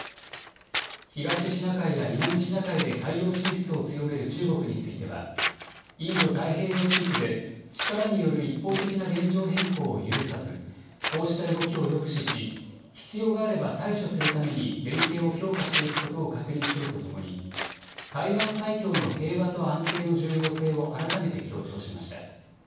東シナ海や南シナ海で海洋進出を強める中国については、インド太平洋地域で、力による一方的な現状変更を許さず、こうした動きを抑止し、必要があれば対処するために連携を強化していくことを確認するとともに、台湾海峡の平和と安定の重要性を改めて強調しました。